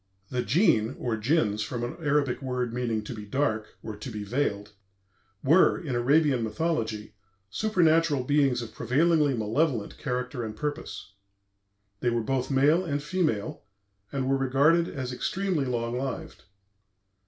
The Djinns (or Jinns, from an Arabic word meaning "to be dark" or "to be veiled") were, in Arabian mythology, supernatural beings of prevailingly malevolent character and purpose. They were both male and female, and were regarded as extremely long lived.